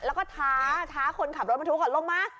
แล้วก็ท้าคนขับรถบรรทุกลงมา